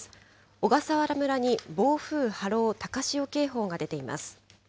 小笠原村に暴風、波浪、高潮警報が出ています。